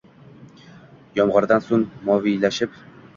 Yomg’irdan so’ng moviylashib